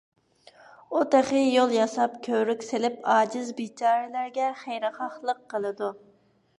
ئۇ تېخى يول ياساپ، كۆۋرۈك سېلىپ، ئاجىز - بىچارىلەرگە خەيرخاھلىق قىلىدۇ.